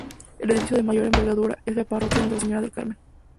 El edificio de mayor envergadura es la parroquia de Nuestra Señora del Carmen.